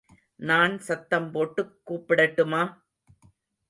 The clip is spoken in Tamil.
நான் சத்தம் போட்டுக் கூப்பிடட்டுமா?